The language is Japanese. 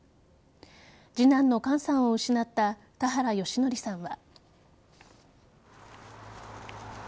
次男の寛さんを失った田原義則さんは。